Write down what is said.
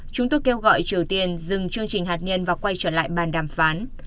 chúng tôi kêu gọi triều tiên dừng chương trình hạt nhân và quay trở lại bàn đàm phán